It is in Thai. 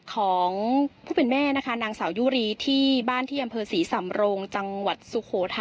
ของผู้เป็นแม่นะคะนางสาวยุรีที่บ้านที่อำเภอศรีสำโรงจังหวัดสุโขทัย